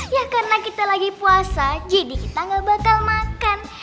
ya karena kita lagi puasa jadi kita gak bakal makan